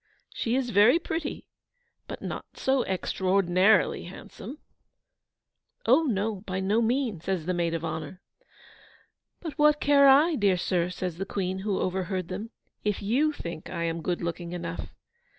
she is very pretty, but not so EXTRAORDINARILY handsome.' 'Oh no, by no means!' says the Maid of Honour. 'But what care I, dear sir,' says the Queen, who overheard them, 'if YOU think I am good looking enough?